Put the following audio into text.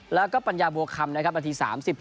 แล้วก็ปัญญาบัวคำนะครับนาที๓๗